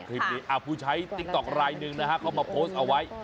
ผู้ใช้ติ๊กต๊อกลายหนึ่งนะฮะเขามาโพสต์เอาไว้